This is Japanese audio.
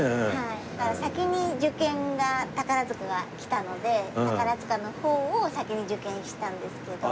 先に受験が宝塚が来たので宝塚の方を先に受験したんですけど。